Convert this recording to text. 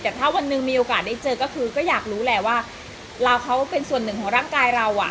แต่ถ้าวันหนึ่งมีโอกาสได้เจอก็คือก็อยากรู้แหละว่าเราเขาเป็นส่วนหนึ่งของร่างกายเราอ่ะ